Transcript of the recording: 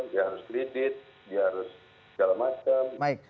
dia harus kredit dia harus segala macam